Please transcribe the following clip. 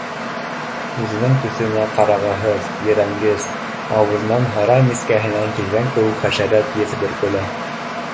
Үҙенең төҫөнә ҡарағыһыҙ, ерәнгес, ауыҙынан һыра мискәһенән килгән кеүек хәшәрәт еҫ бөркөлә